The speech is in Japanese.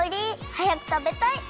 はやくたべたい！